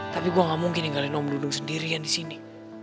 tapi gue gak mungkin ninggalin om dudung sendirian disini